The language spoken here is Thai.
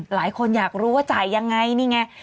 หลายคนอยากรู้ว่าจ่ายยังไงนี่ไง